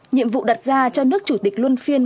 nhiệm vụ đặt ra cho nước chủ tịch luân phiên